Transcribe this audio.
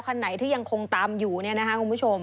คันไหนที่ยังคงตามอยู่เนี่ยนะคะคุณผู้ชม